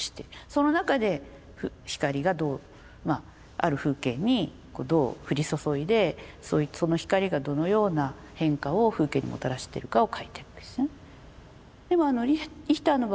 その中で光がどうある風景にどう降り注いでその光がどのような変化を風景にもたらしてるかを描いてるわけですね。